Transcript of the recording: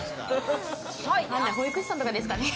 保育士さんとかですかね？